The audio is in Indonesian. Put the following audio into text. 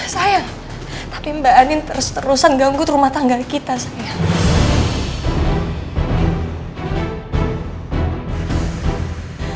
saya tapi mbak anin terus terusan ganggu rumah tangga kita saya